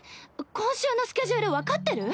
今週のスケジュール分かってる？